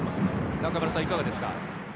中村さん、いかがですか。